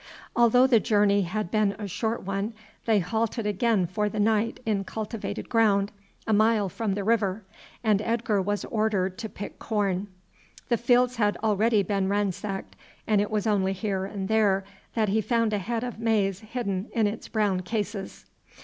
Although the journey had been a short one, they halted again for the night in cultivated ground, a mile from the river, and Edgar was ordered to pick corn. The fields had already been ransacked, and it was only here and there that he found a head of maize hidden in its brown cases.